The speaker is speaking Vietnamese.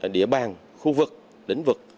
địa bàn khu vực lĩnh vực